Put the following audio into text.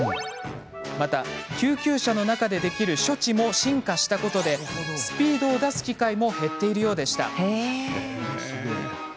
また、救急車の中でできる処置も進化したことでスピードを出す機会も減っているようでした。